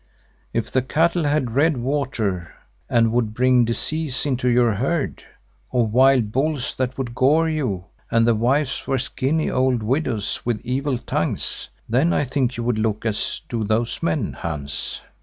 If the cattle had red water and would bring disease into your herd, or wild bulls that would gore you, and the wives were skinny old widows with evil tongues, then I think you would look as do those men, Hans."